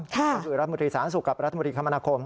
คือรัฐมนตรีสารสุขกับรัฐมนตรีคมณะคม